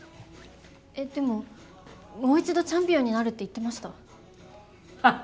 えっでももう一度チャンピオンになるって言ってました。